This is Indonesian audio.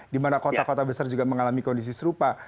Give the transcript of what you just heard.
di mana kota kota besar juga mengalami kondisi serupa